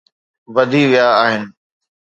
وڌي ويا آهن